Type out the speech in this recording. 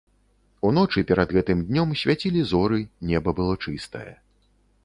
Уночы, перад гэтым днём, свяцілі зоры, неба было чыстае.